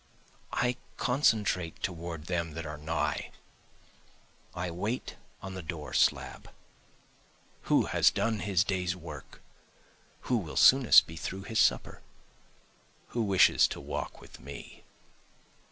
I concentrate toward them that are nigh, I wait on the door slab. Who has done his day's work? who will soonest be through with his supper? Who wishes to walk with me?